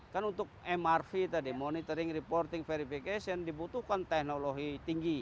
kan untuk mrv tadi monitoring reporting verification dibutuhkan teknologi tinggi